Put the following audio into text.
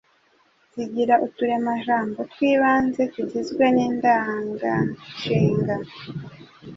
Zigira uturemajambo tw’ibanze tugizwe n’indanganshinga,